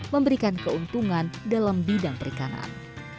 memberikan keuntungan dalam bidang perikanan